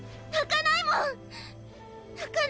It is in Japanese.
泣かないもん！